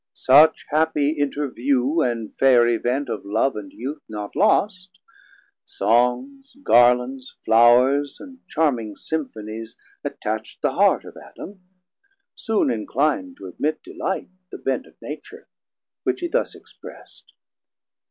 Such happy interview and fair event Of love & youth not lost, Songs, Garlands, Flours, 590 And charming Symphonies attach'd the heart Of Adam, soon enclin'd to admit delight, The bent of Nature; which he thus express'd.